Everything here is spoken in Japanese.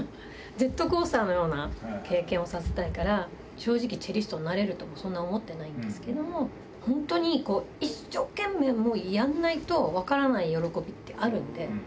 ジェットコースターのような経験をさせたいから、正直、チェリストになれるともそんな思ってないんですけど、本当に一生懸命やんないと分からない喜びってあるんで。